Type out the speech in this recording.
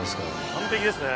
完璧ですね。